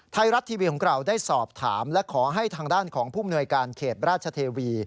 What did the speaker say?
ไทยรัฐทีวีของเราได้สอบถามและขอให้ทางด้านของผู้มนวยการเขตราชเทวี